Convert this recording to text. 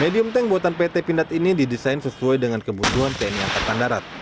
medium tank buatan pt pindad ini didesain sesuai dengan kebutuhan tni angkatan darat